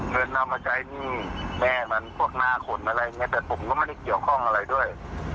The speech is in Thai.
เงินเอามาใช้หนี้แม่มันพวกหน้าขนอะไรอย่างนี้แต่ผมก็ไม่ได้เกี่ยวข้องอะไรด้วย